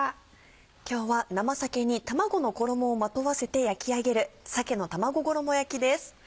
今日は生鮭に卵の衣をまとわせて焼き上げる「鮭の卵衣焼き」です。